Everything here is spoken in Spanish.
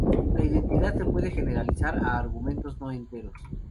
La identidad se puede generalizar a argumentos no enteros.